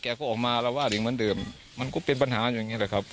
แกก็ออกมาแล้ววาดอย่างเหมือนเดิมมันก็เป็นปัญหาอย่างเงี้ยแหละครับ